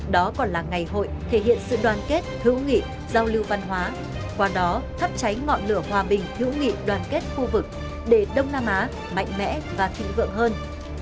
đó còn là ngày hội thể hiện sự đoàn kết hữu nghị giao lưu văn hóa qua đó thắp cháy ngọn lửa hòa bình hữu nghị đoàn kết khu vực để đông nam á mạnh mẽ và thịnh vượng hơn